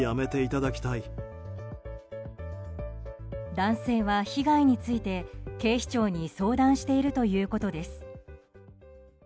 男性は、被害について警視庁に相談しているということです。